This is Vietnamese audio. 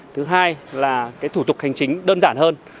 thứ hai là thủ tục hành chính đơn giản hơn